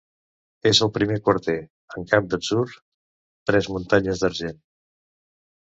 En el primer quarter, en camp d'atzur, tres muntanyes d'argent.